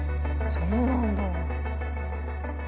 そうなんだ。